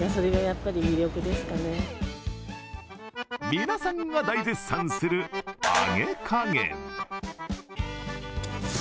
皆さんが大絶賛する揚げ加減。